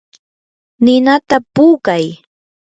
ninata puukay.